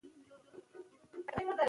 علامه حبيبي د حقایقو روښانه کولو ته ژمن و.